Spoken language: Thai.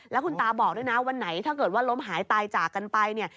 แล้วคุณตาบอกด้วยนะวันไหนถ้าเกิดว่าล้มหายตายจากกันไปเนี่ย